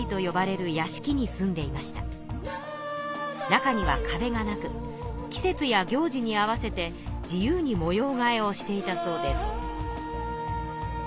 中にはかべがなく季節や行事に合わせて自由に模様がえをしていたそうです。